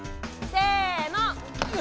せの！